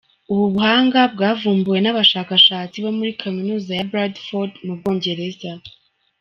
Ubu buhanga bwavumbuwe n’abashakashatsi bo muri Kaminuza ya Bradford mu Bwongereza.